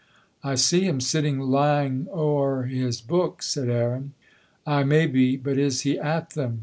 "I see him sitting lang ower his books," said Aaron. "Ay, maybe, but is he at them?"